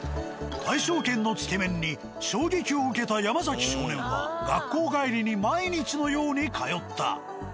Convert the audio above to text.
「大勝軒」のつけ麺に衝撃を受けた山少年は学校帰りに毎日のように通った。